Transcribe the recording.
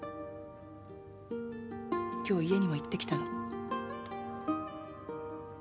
今日家にも行ってきたの。